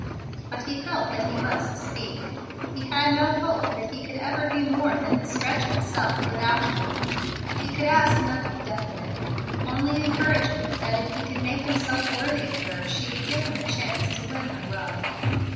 But he felt that he must speak. He had no hope that he could ever be more than his wretched self without her. He would ask nothing definite only encouragement that if he could make himself worthy of her she would give him a chance to win her love.